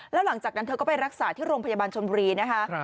แล้วหลังจากนั้นเธอก็ไปรักษาที่โรงพยาบาลชนบุรีนะคะ